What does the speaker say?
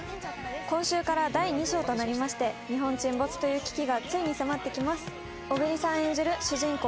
今週から第２章となりまして日本沈没という危機がついに迫ってきます小栗さん演じる主人公